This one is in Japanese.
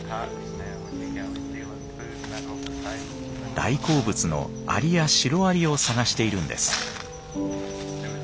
大好物のアリやシロアリを探しているんです。